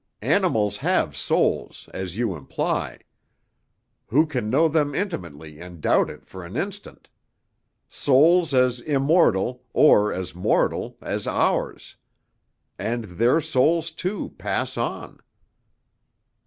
Animals have souls, as you imply. Who can know them intimately and doubt it for an instant? Souls as immortal or as mortal as ours. And their souls, too, pass on."